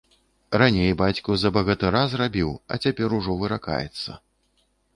Раней бацьку за багатыра зрабіў, а цяпер ужо выракаецца.